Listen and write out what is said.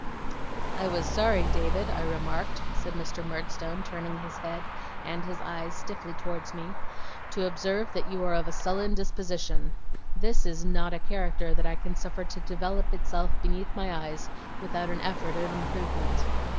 'I was sorry, David, I remarked,' said Mr. Murdstone, turning his head and his eyes stiffly towards me, 'to observe that you are of a sullen disposition. This is not a character that I can suffer to develop itself beneath my eyes without an effort at improvement.